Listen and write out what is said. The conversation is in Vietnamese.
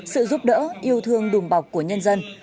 sự giúp đỡ yêu thương đùm bọc của nhân dân